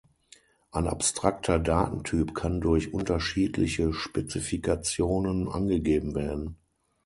Ein abstrakter Datentyp kann durch unterschiedliche Spezifikationen angegeben werden.